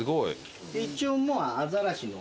一応アザラシの。